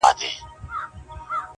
اوس نو وکئ قضاوت ګنا دچا ده,